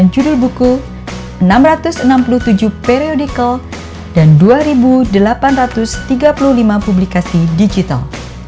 empat puluh lima satu ratus empat puluh sembilan judul buku enam ratus enam puluh tujuh periodical dan dua delapan ratus tiga puluh lima publikasi digital